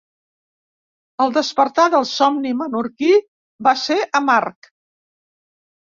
El despertar del somni menorquí va ser amarg.